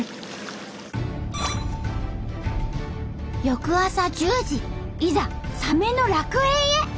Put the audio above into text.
翌朝１０時いざサメの楽園へ！